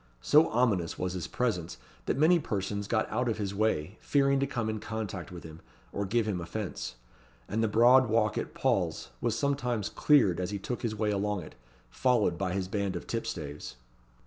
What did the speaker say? So ominous was his presence, that many persons got out of his way, fearing to come in contact with him, or give him offence; and the broad walk at Paul's was sometimes cleared as he took his way along it, followed by his band of tipstaves.